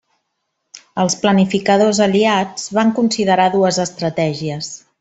Els planificadors aliats van considerar dues estratègies.